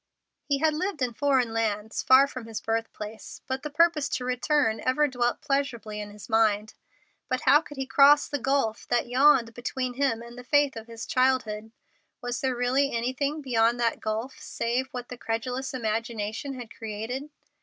He had lived in foreign lands far from his birthplace, but the purpose to return ever dwelt pleasurably in his mind. But how could he cross the gulf that yawned between him and the faith of his childhood? Was there really anything beyond that gulf save what the credulous imagination had created?